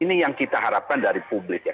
ini yang kita harapkan dari publik ya